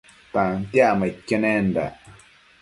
Tantiacmaidquio nendac